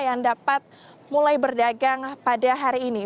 yang dapat mulai berdagang pada hari ini